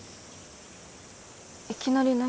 いきなり何？